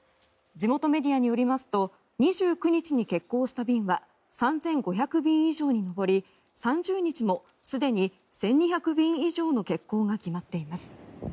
地元メディアによりますと２９日に欠航した便は３５００便以上に上り３０日もすでに１２００便以上の欠航が決まっています。